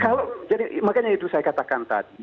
kalau jadi makanya itu saya katakan tadi